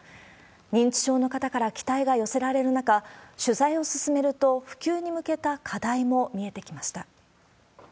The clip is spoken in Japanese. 認知症の方から期待が寄せられる中、取材を進めると、普及に向けた課題も見えてきました。